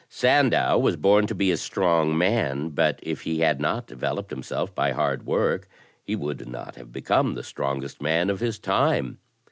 Sandow was bom to be a strong man, but, if he had not developed himself by hard work, he would not have become the strongest man of his time.